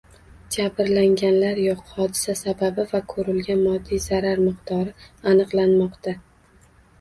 Jabrlanganlar yo‘q. Hodisa sababi va ko‘rilgan moddiy zarar miqdori aniqlanmoqda